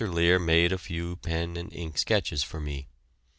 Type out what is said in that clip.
Lear made a few pen and ink sketches for me.